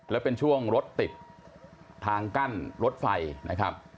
แล้วเป็นช่วงรถติดทางกั้นรถไฟนะครับ